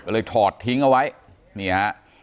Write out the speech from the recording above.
เลยถอดทิ้งเอาไว้เนี่ย